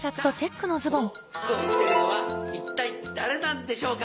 この服を着てるのは一体誰なんでしょうか？